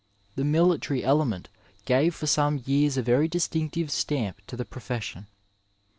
The military element gave for some years a very distinctive stamp to the profession.